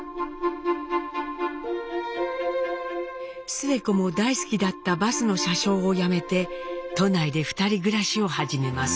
スエ子も大好きだったバスの車掌を辞めて都内で２人暮らしを始めます。